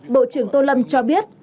bộ trưởng tô lâm cho biết